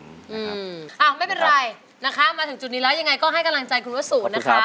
ไม่เป็นไรมาถึงจุดนี้แล้วยังไงก็ให้กำลังใจคุณวัสูนะครับ